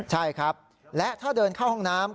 ใช่ครับและถ้าเดินเข้าห้องน้ำ